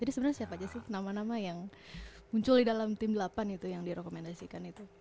jadi sebenarnya siapa aja sih nama nama yang muncul di dalam tim delapan itu yang direkomendasikan itu